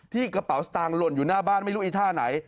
กระเป๋าสตางค์หล่นอยู่หน้าบ้านไม่รู้ไอ้ท่าไหน